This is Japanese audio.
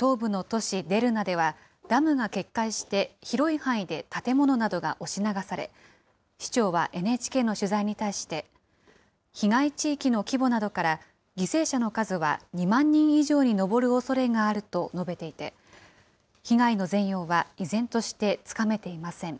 東部の都市デルナでは、ダムが決壊して広い範囲で建物などが押し流され、市長はＮＨＫの取材に対して、被害地域の規模などから、犠牲者の数は２万人以上に上るおそれがあると述べていて、被害の全容は依然としてつかめていません。